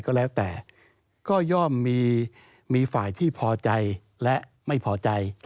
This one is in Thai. ก็แล้วแต่ก็ย่อมมีฝ่ายที่พอใจและไม่พอใจ